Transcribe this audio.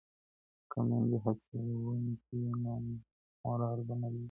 که میندې هڅوونکې وي نو مورال به نه لوېږي.